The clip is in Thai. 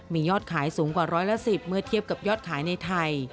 มียอดขายสูงกว่าร้อยละ๑๐เมื่อเทียบกับยอดขายในไทย